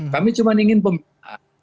kami cuma ingin pembinaan